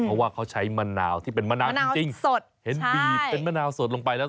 เพราะว่าเขาใช้มะนาวที่เป็นมะนาวจริงจริงสดเห็นบีบเป็นมะนาวสดลงไปแล้ว